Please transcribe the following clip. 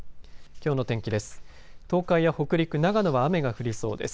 きょうの天気です。